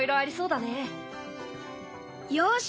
よし！